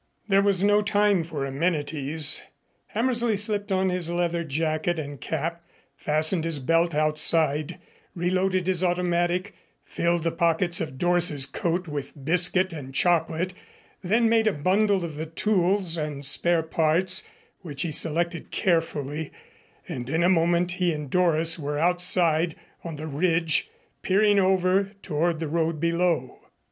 There was no time for amenities. Hammersley slipped on his leather jacket and cap, fastening his belt outside, reloaded his automatic, filled the pockets of Doris's coat with biscuit and chocolate, then made a bundle of the tools and spare parts, which he selected carefully, and in a moment he and Doris were outside on the ridge, peering over toward the road below.